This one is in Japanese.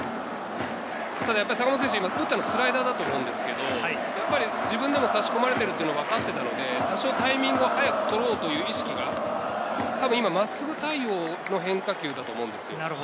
ただ、坂本選手、打ったのはスライダーだと思うんですけど、自分でも差し込まれているというのを分かっていたので、多少タイミングを早く取ろうという意識がたぶん今、真っすぐ対応の変化球だと思うんです。